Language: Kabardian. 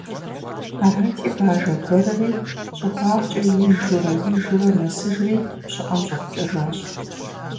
Арати Бажэ гуэрри щӀыбагъкӀэ ижурэ, ижурэ нэсыжри пщыӀэм щӀэпкӀэжащ.